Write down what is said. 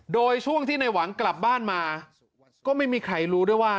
โดยช่วงที่ในหวังกลับบ้านมาก็ไม่มีใครรู้ด้วยว่า